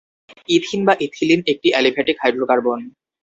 Ethene বা ethylene একটি aliphatic hydrocarbon.